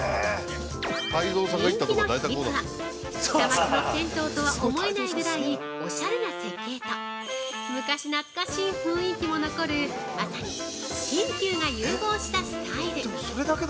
◆人気の秘密は、下町の銭湯とは思えないぐらいおしゃれな設計と、昔懐かしい雰囲気も残る、まさに新旧が融合したスタイル。